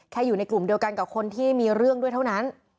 อยู่ในกลุ่มเดียวกันกับคนที่มีเรื่องด้วยเท่านั้น